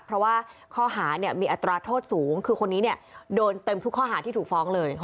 เพราะว่าข้อหาเนี่ยมีอัตราโทษสูงคือคนนี้เนี่ยโดนเต็มทุกข้อหาที่ถูกฟ้องเลย